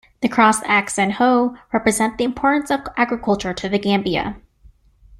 The crossed axe and hoe represent the importance of agriculture to The Gambia.